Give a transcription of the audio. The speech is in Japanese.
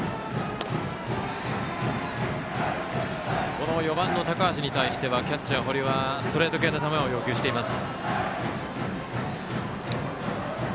この４番の高橋に対してはキャッチャー、堀はストレート系の球を要求しています。